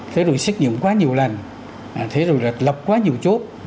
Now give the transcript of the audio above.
thế rồi xét nghiệm quá nhiều lần thế rồi lập quá nhiều chốt